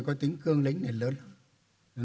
có tính cương lĩnh thì lớn hơn